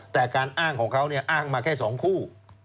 แต่การอ้างของเขาอ้างมาแค่๒คู่